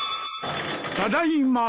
ただいま。